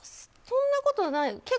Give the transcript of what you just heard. そんなことはないです。